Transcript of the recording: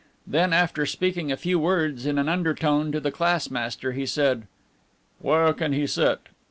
Then, after speaking a few words in an undertone to the class master, he said: "Where can he sit?"